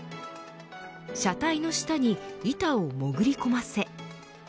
車体の下に板を潜り込ませ。